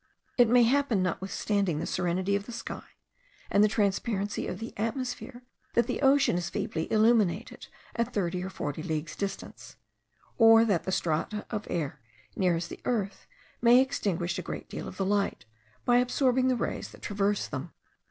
It may happen, notwithstanding the serenity of the sky and the transparency of the atmosphere, that the ocean is feebly illuminated at thirty or forty leagues' distance; or that the strata of air nearest the earth may extinguish a great deal of the light, by absorbing the rays that traverse them.